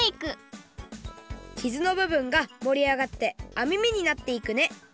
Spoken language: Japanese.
傷のぶぶんがもりあがってあみ目になっていくね